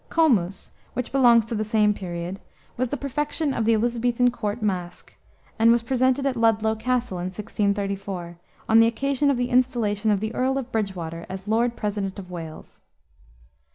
Comus, which belongs to the same period, was the perfection of the Elisabethan court masque, and was presented at Ludlow Castle in 1634, on the occasion of the installation of the Earl of Bridgewater as Lord President of Wales.